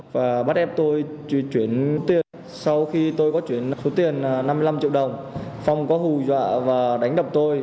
và bắt ép tôi chuyển tiền sau khi tôi có chuyển số tiền năm mươi năm triệu đồng phong có hù dọa và đánh đập tôi